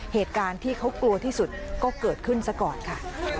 เหตุการณ์ที่เขากลัวที่สุดก็เกิดขึ้นซะก่อนค่ะ